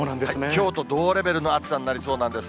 きょうと同レベルの暑さになりそうなんです。